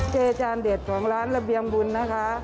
เจจานเด็ดของร้านระเบียงบุญนะคะ